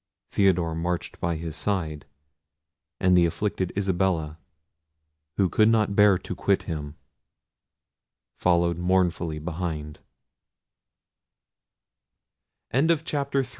Theodore marched by his side; and the afflicted Isabella, who could not bear to quit him, followed mournfully behin